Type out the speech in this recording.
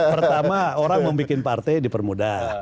pertama orang membuat partai dipermudah